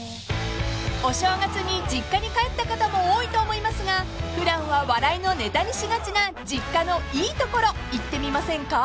［お正月に実家に帰った方も多いと思いますが普段は笑いのネタにしがちな実家のいいところ言ってみませんか？］